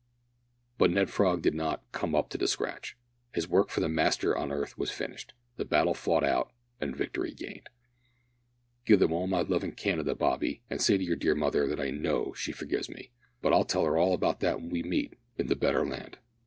But Ned Frog did not "come up to the scratch." His work for the Master on earth was finished the battle fought out and the victory gained. "Gi' them all my love in Canada, Bobby, an' say to your dear mother that I know she forgives me but I'll tell her all about that when we meet in the better land."